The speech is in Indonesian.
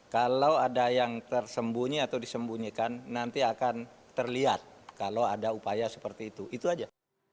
kalau ada yang tersembunyi atau disembunyikan nanti akan terlihat kalau ada upaya seperti itu itu aja